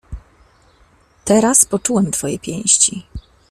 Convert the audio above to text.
"Teraz poczułem twoje pięści."